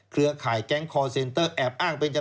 เครือข่ายแก๊งคอร์เซ็นเตอร์แอบอ้างเป็นจะ